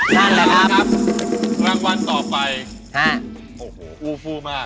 นั่นแหละครับรางวัลต่อไปโอ้โหอู้ฟู้มาก